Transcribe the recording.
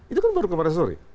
itu kan baru kemarin sore